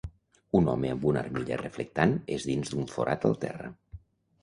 Un home amb una armilla reflectant és dins d'un forat al terra.